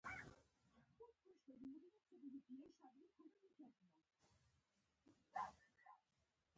انګور د افغانانو د اړتیاوو د پوره کولو وسیله ده.